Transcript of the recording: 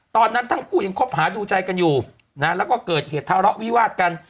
ตอนนั้นทั้งคู่ยังคบหาดูใจกันอยู่นะแล้วก็เกิดเหตุทะเลาะวิวาดกัน